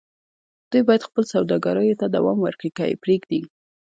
دوی بايد خپلو سوداګريو ته دوام ورکړي که يې پرېږدي.